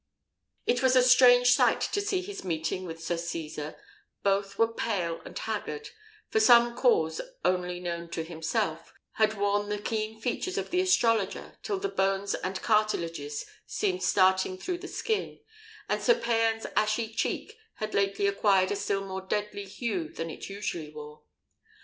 It was a strange sight to see his meeting with Sir Cesar; both were pale and haggard; for some cause, only known to himself, had worn the keen features of the astrologer till the bones and cartilages seemed starting through the skin; and Sir Payan's ashy cheek had lately acquired a still more deadly hue than it usually wore.